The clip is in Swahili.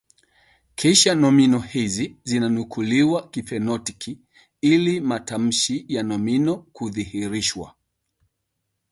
kisha nomino hizi zinanukuliwa kifonetiki ili matamshi ya nomino kudhihirishwa